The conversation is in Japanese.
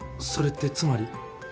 それってつまり？